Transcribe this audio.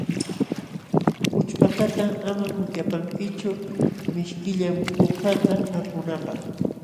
Ućhpakaqta amam wikapankichu, mishkillam kukata akunapq.